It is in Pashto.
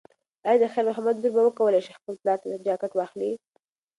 ایا د خیر محمد لور به وکولی شي خپل پلار ته جاکټ واخلي؟